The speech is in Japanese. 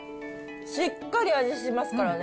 しっかり味しますからね。